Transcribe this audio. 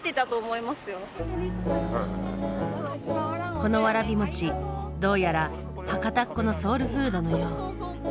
このわらび餅どうやら博多っ子のソウルフードのよう。